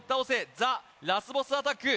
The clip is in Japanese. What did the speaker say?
ＴＨＥラスボスアタック